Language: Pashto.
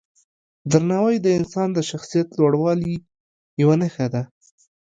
درناوی د انسان د شخصیت لوړوالي یوه نښه ده.